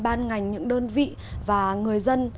ban ngành những đơn vị và người dân